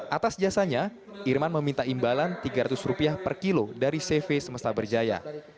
atas jasanya irman meminta imbalan rp tiga ratus per kilo dari cv semesta berjaya